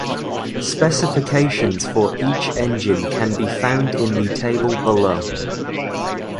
Specifications for each engine can be found in the table below.